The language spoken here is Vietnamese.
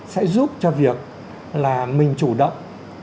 sẽ giúp cho việc là mình chủ động